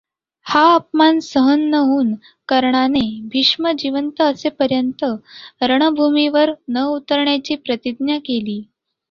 हा अपमान सहन न होऊन कर्णाने भीष्म जिवंत असेपर्यंत रणभूमीवर न उतरण्याची प्रतिज्ञा केली.